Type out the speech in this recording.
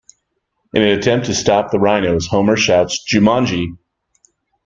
In an attempt to stop the rhinos, Homer shouts Jumanji!